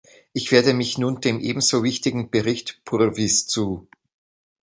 Ich wende mich nun dem ebenso wichtigen Bericht Purvis zu.